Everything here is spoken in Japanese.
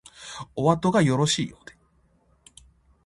おあとがよろしいようで